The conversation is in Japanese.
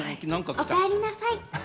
おかえりなさい。